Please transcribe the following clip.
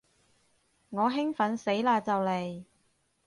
我興奮死嘞就嚟